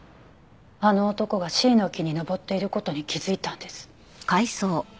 あの男がシイの木に登っている事に気づいたんです。